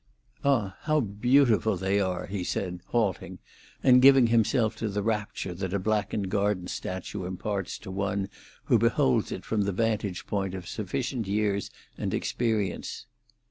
"Ah, how beautiful they are!" he said, halting, and giving himself to the rapture that a blackened garden statue imparts to one who beholds it from the vantage ground of sufficient years and experience.